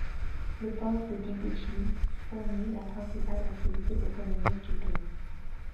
Le port de Djibouti fourni la principale activité économique du pays.